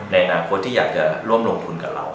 ในอนาคตที่อยากจะร่วมลงทุนกับเรา